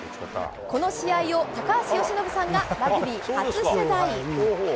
この試合を高橋由伸さんがラグビー初取材。